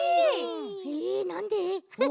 えなんで？